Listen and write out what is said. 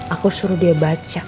aku suruh dia baca